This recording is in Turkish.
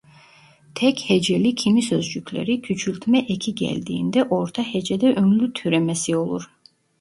Tek heceli kimi sözcükleri küçültme eki geldiğinde orta hecede ünlü türemesi olur.